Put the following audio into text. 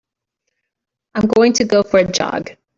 I'm going to go for a jog.